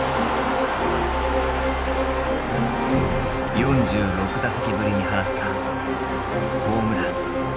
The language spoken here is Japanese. ４６打席ぶりに放ったホームラン。